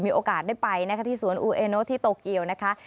มีโอกาสได้ไปนะคะที่สวนอูเอโนที่โตเกียวนะคะ